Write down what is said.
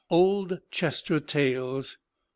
Old Chester Tales. Dr.